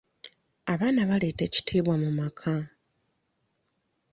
Abaana baleeta ekitiibwa mu maka.